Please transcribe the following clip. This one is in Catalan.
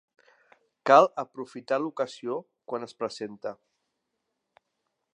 Cal aprofitar l'ocasió quan es presenta.